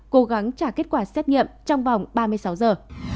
cố gắng trả kết quả xét nghiệm trong vòng ba mươi sáu giờ